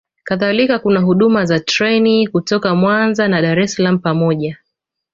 kadhalika kuna huduma za treni kutoka Mwanza na Dar es Salaam pamoja